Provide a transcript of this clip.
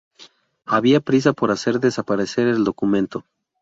Había prisa por hacer desaparecer el documento